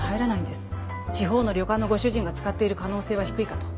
地方の旅館のご主人が使っている可能性は低いかと。